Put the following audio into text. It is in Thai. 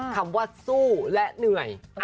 คำว่าสู้และเหนื่อย